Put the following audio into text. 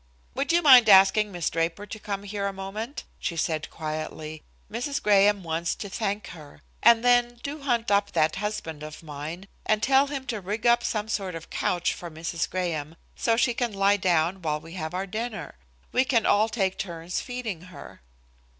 "Would you mind asking Miss Draper to come here a moment?" she said quietly. "Mrs. Graham wants to thank her, and then do hunt up that husband of mine and tell him to rig up some sort of couch for Mrs. Graham, so she can lie down while we have our dinner. We can all take turns feeding her."